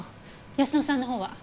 泰乃さんの方は？